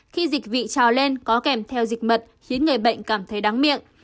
khi dịch vị trào lên có kèm theo dịch mật khiến người bệnh cảm thấy đáng miệng